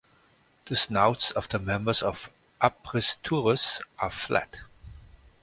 The snouts of the members of "Apristurus" are flat.